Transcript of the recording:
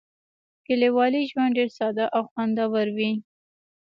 کلیوالي ژوند ډېر ساده او خوندور وي.